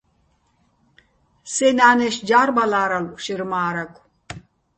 სეჼ ნა́ნეშო̆ ჯა́რბალა́რალო̆ შეჲრ მა́რაგო̆: